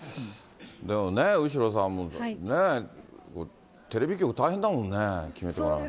でもね、後呂さんも、ねえ、テレビ局、大変だもんね、決めてもらわないと。